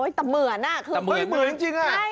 ถูกเหมือนอ่ะ